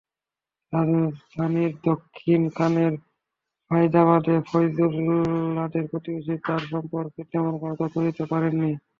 রাজধানীর দক্ষিণখানের ফাইদাবাদে ফয়জুল্লাহদের প্রতিবেশীরা তাঁর সম্পর্কে তেমন কোনো তথ্য দিতে পারেননি।